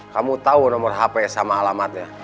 kamu tahu nomor hp sama alamatnya